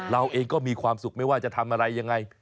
เราเองก็มีความสุขไม่ว่าจะทำอะไรยังไง